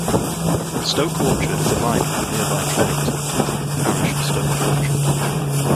Stoke Orchard is aligned with nearby Tredington to form the Parish of Stoke Orchard.